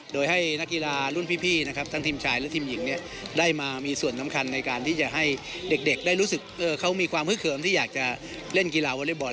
โดยให้นักกีฬารุ่นพี่นะครับทั้งทีมชายและทีมหญิงเนี่ยได้มามีส่วนสำคัญในการที่จะให้เด็กได้รู้สึกเขามีความฮึกเขิมที่อยากจะเล่นกีฬาวอเล็กบอล